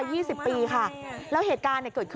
อุ้ยทีนี้มันน่ากลัวเหลือเกินค่ะ